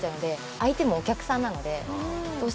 相手もお客さんなので。